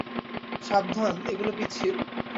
সাবধানে, এগুলো পিচ্ছিল।